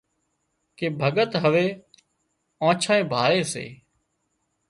ڪي ڀڳت هوي آنڇانئي ڀاۯي سي